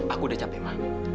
aku udah capek ma